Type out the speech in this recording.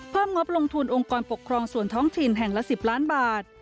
งบลงทุนองค์กรปกครองส่วนท้องถิ่นแห่งละ๑๐ล้านบาท